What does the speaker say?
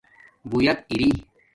بایت اریݵ